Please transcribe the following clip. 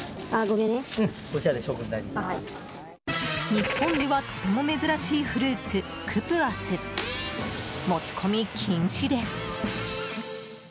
日本ではとても珍しいフルーツクプアス、持ち込み禁止です。